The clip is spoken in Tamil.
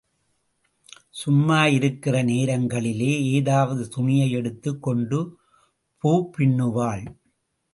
சும்மாயிருக்கிற நேரங்களிலே, ஏதாவது துணியை எடுத்துக் கொண்டு பூப்பின்னுவாள்.